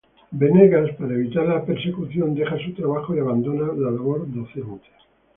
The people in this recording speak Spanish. Venegas, para evitar la persecución, deja su trabajo y abandona la labor docente.